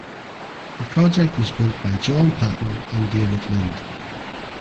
The project was built by John Paton and David Lind.